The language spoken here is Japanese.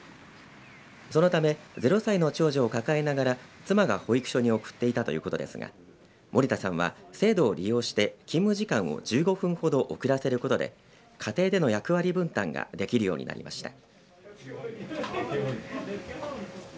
そのため０歳の長女を抱えながら妻が保育所に送っていたということですが森田さんは制度を利用して勤務時間を１５分ほど遅らせることで家庭での役割分担ができるようになりました。